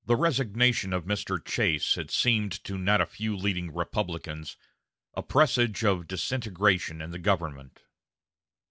The resignation of Mr. Chase had seemed to not a few leading Republicans a presage of disintegration in the government.